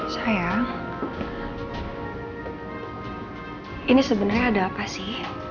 sayang ini sebenarnya ada apa sih